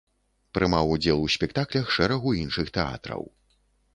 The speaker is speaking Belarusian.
Прымаў удзел у спектаклях шэрагу іншых тэатраў.